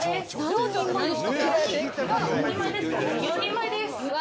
４人前です。